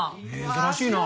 珍しいな。